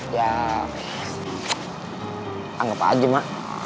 ya anggap aja ma